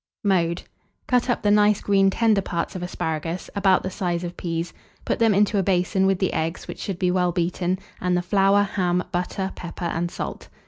Mode. Cut up the nice green tender parts of asparagus, about the size of peas; put them into a basin with the eggs, which should be well beaten, and the flour, ham, butter, pepper, and salt.